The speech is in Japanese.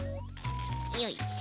よいしょ。